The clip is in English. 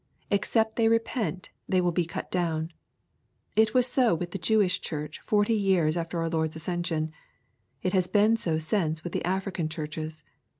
Except they repent, they will be cut down. It was so with the Jew ish Church forty years after our Lord's ascension. It has been so since with the African Churches.